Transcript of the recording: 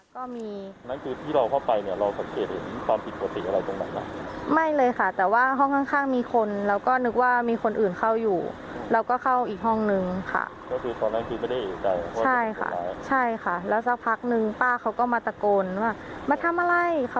ใช่มีมือยื่นมาใช่ค่ะ